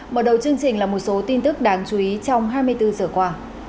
mở đầu chương trình là một số tin tức đáng chú ý trong hai mươi bốn giờ qua